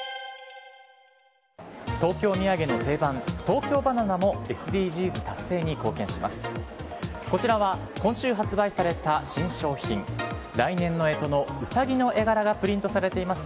東京土産の定番、東京ばななもＳＤＧｓ達成に貢献します。